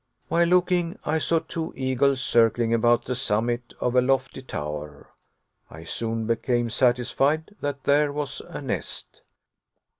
While looking, I saw two eagles circling about the summit of a lofty tower. I soon became satisfied that there was a nest.